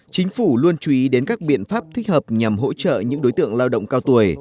chính phủ luôn chú ý đến các biện pháp thích hợp nhằm hỗ trợ những đối tượng lao động cao tuổi